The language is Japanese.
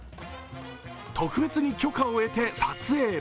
特別に許可を得て撮影。